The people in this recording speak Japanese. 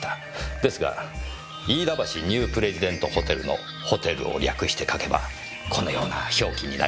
ですが飯田橋ニュープレジデントホテルのホテルを略して書けばこのような表記になります。